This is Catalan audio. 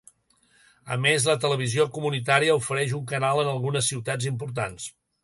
A més, la televisió comunitària ofereix un canal en algunes ciutats importants.